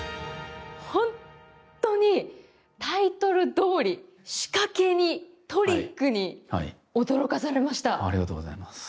本当にタイトルどおり、仕掛けにトリックに驚かされました。